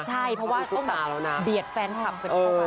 ใช่เพราะว่าต้องเบียดแฟนคลับกันเข้าไป